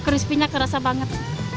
krispinya kerasa banget